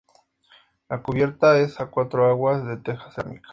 La cubierta es a cuatro aguas de teja cerámica.